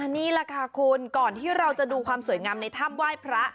นี่แหละค่ะคุณก่อนที่เราจะดูความสวยงามในถ้ำไหว้พระ